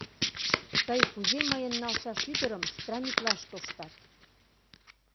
Тый кузе мыйын налшаш ӱдырым страмитлаш тоштат?